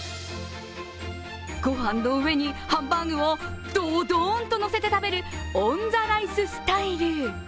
御飯の上にハンバーグをドドーンとのせて食べるオン・ザ・ライススタイル。